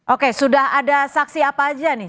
oke sudah ada saksi apa aja nih